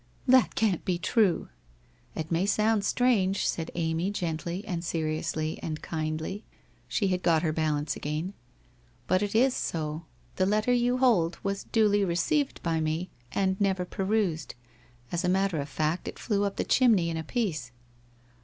' That can't be true/ ' It may sound strange,' said Amy gently and seriously and kindly; she had got her balance again. 'But it is so. The letter you hold was duly received by me, and never perused. As a matter of fact, it flew up the chimney in a piece.'